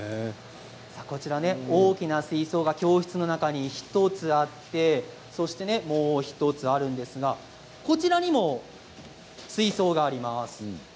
こちら、大きな水槽が教室の中に１つあってそして、もう１つあるんですがこちらにも水槽があります。